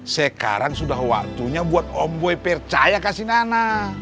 sekarang sudah waktunya buat om boy percaya kasih nana